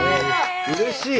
うれしい！